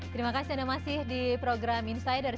terima kasih anda masih di program insider